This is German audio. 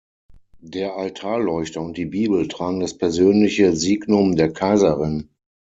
Der Altarleuchter und die Bibel tragen das persönliche Signum der Kaiserin.